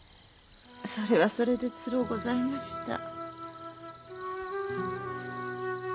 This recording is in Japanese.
それはそれでつろうございました。